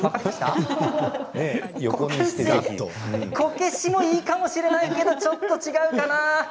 笑い声こけしもいいかもしれないけれど、ちょっと違うかな。